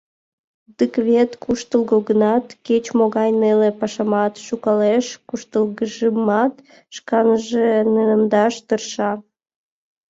Дык вет... куштылго гынат, кеч-могай неле пашамат шӱкалеш: куштылгыжымат шканже нелемдаш тырша.